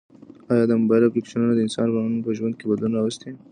ایا د موبایل اپلیکیشنونه د انسانانو په ژوند کې بدلون راوستی؟